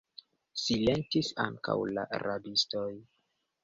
Silentis ankaŭ la rabistoj.